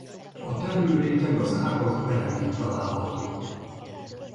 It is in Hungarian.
A termőréteg az ágak peremén található.